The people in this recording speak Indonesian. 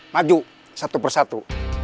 maju satu persatu